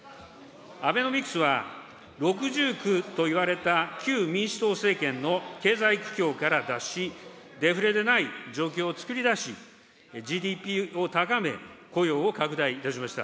アベノミクスは、六重苦といわれた旧民主党政権の経済苦境から脱し、デフレでない状況をつくり出し、ＧＤＰを高め、雇用を拡大いたしました。